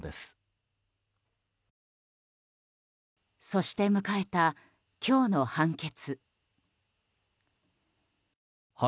そして迎えた、今日の判決。